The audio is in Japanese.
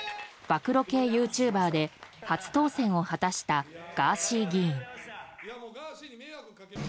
暴露系ユーチューバーで初当選を果たしたガーシー議員。